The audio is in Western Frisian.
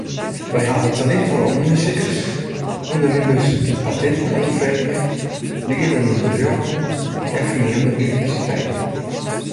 Wy hawwe talintfolle ûndersikers, ûndernimmers dy’t patinten oanfreegje, liedende bedriuwen, en ferneamde universiteiten.